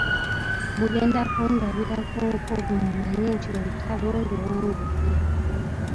Mugenda kundabira ku nkovu mumanye nti olutalo nduwangudde.